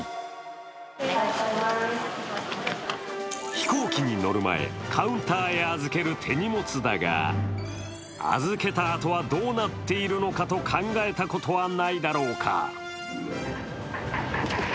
飛行機に乗る前、カウンターへ預ける手荷物だが預けたあとはどうなっているのかと考えたことはないだろうか。